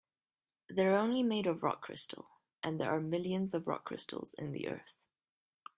They're only made of rock crystal, and there are millions of rock crystals in the earth.